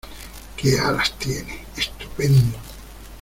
¡ Qué alas tiene! ¡ estupendo !